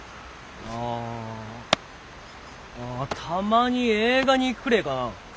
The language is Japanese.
あたまに映画に行くくれえかな。